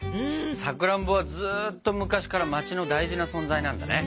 さくらんぼはずっと昔から街の大事な存在なんだね。